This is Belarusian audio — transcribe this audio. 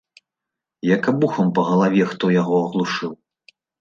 Як абухам па галаве хто яго аглушыў.